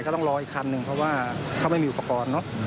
ต้องรออีกคันหนึ่งเพราะว่าเขาไม่มีอุปกรณ์เนอะ